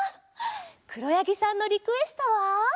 くろやぎさんのリクエストは？